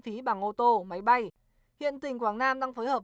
phí bằng ô tô máy bay hiện tỉnh quảng nam đang phối hợp